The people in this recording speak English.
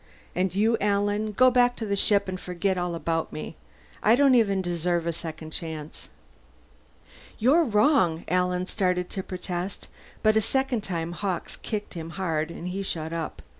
And you, Alan go back to the ship and forget all about me. I don't even deserve a second chance." "You're wrong!" Alan started to protest, but a second time Hawkes kicked him hard, and he shut up.